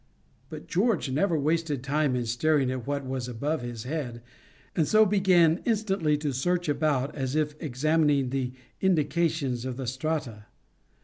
But George never wasted time in staring at what was above his head, and so began instantly to search about as if examining the indications of the strata.